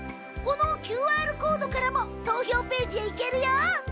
このＱＲコードからも投票ページへ行けるよ！